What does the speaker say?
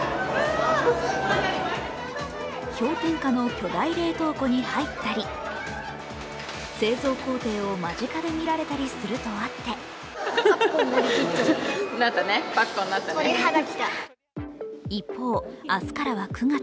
氷点下の巨大冷凍庫に入ったり製造工程を間近で見られたりするとあって一方、明日からは９月。